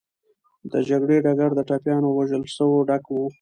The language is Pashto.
د جګړې ډګر د ټپيانو او وژل سوو ډک و.